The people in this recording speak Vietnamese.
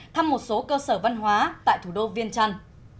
thăm một số cơ sở văn hóa tại thủ đô viên trăn